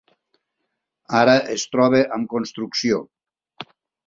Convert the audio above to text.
Ara es troba en construcció.